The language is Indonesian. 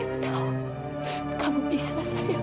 ibu tahu kamu bisa